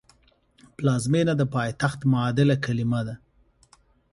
پلازمېنه د پایتخت معادل کلمه ده